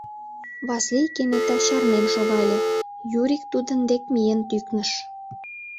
Васлий кенета чарнен шогале, Юрик тудын дек миен тӱкныш.